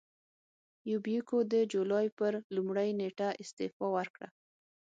یوبیکو د جولای پر لومړۍ نېټه استعفا وکړه.